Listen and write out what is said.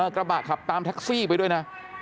กระบะขับตามแท็กซี่ไปด้วยนะ